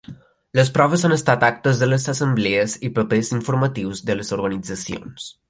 Les proves han estat actes de les assemblees i papers informatius de les organitzacions.